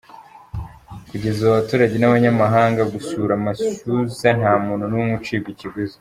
Kugeza ubu abaturage n’abanyamahanga gusura amashyuza nta muntu n’umwe ucibwa ikiguzi.